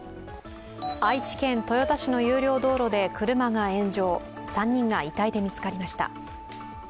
愛知県豊田市の有料道路で車が炎上、３人が遺体で見つかりました。